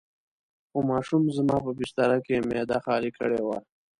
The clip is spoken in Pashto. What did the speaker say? خو ماشوم زما په بستره کې معده خالي کړې وه.